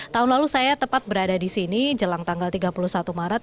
tahun lalu saya tepat berada di sini jelang tanggal tiga puluh satu maret